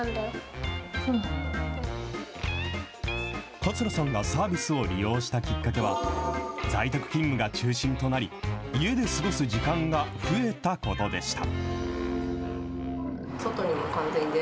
桂さんがサービスを利用したきっかけは、在宅勤務が中心となり、家で過ごす時間が増えたことでした。